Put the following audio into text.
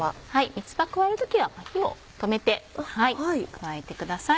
三つ葉加える時は火を止めて加えてください。